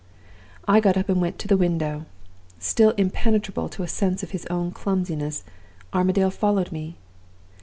"I got up and went to the window. Still impenetrable to a sense of his own clumsiness, Armadale followed me.